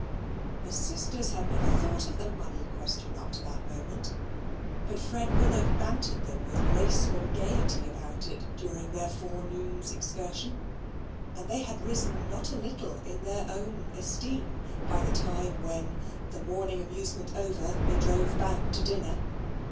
The sisters had never thought of the money question up to that moment, but Fred Bullock bantered them with graceful gaiety about it during their forenoon's excursion; and they had risen not a little in their own esteem by the time when, the morning amusement over, they drove back to dinner.